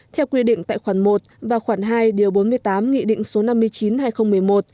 theo quy định tại khoản một và khoản hai điều bốn mươi tám nghị định số năm mươi chín hai nghìn một mươi một